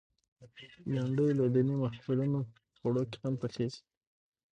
بېنډۍ له دینی محفلونو خوړو کې هم پخېږي